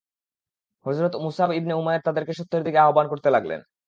হযরত Musab ibn Umair তাদেরকে সত্যের দিকে আহবান করতে লাগলেন।